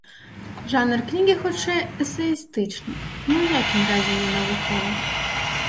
Жанр кнігі хутчэй эсэістычны, ні ў якім разе не навуковы.